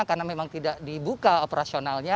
karena memang tidak dibuka operasionalnya